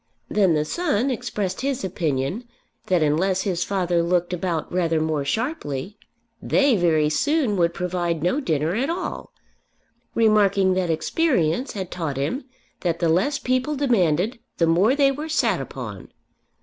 Then the son expressed his opinion that unless his father looked about rather more sharply, "they" very soon would provide no dinner at all, remarking that experience had taught him that the less people demanded the more they were "sat upon."